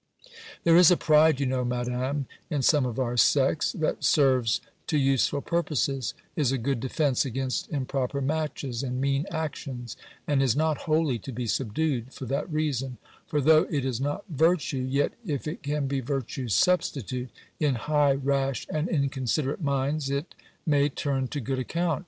There is a pride, you know, Madam, in some of our sex, that serves to useful purposes, is a good defence against improper matches, and mean actions; and is not wholly to be subdued, for that reason; for, though it is not virtue, yet, if it can be virtue's substitute, in high, rash, and inconsiderate minds, it; may turn to good account.